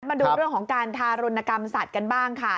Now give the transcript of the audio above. มาดูเรื่องของการทารุณกรรมสัตว์กันบ้างค่ะ